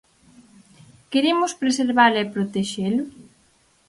¿Queremos preservalo e protexelo?